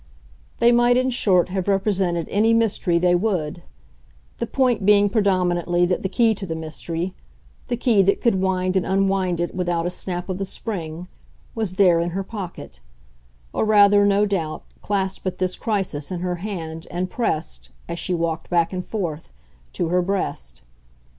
They might in short have represented any mystery they would; the point being predominantly that the key to the mystery, the key that could wind and unwind it without a snap of the spring, was there in her pocket or rather, no doubt, clasped at this crisis in her hand and pressed, as she walked back and forth, to her breast.